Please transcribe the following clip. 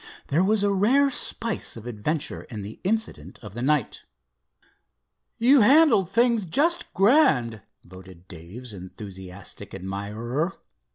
There was a rare spice of adventure in the incident of the night. "You handled things just grand," voted Dave's enthusiastic admirer.